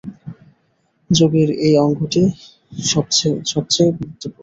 যোগের এই অঙ্গটি সব চেয়ে গুরুত্বপূর্ণ।